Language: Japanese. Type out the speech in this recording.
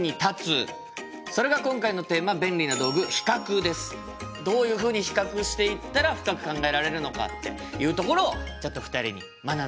それが今回のテーマどういうふうに比較していったら深く考えられるのかっていうところをちょっと２人に学んでいただきたいと思います。